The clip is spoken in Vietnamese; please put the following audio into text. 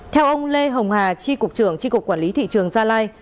theo ông lê hồng hà tri cục trưởng tri cục quản lý thị trường gia lai